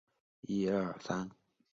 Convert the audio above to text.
规模最大的公司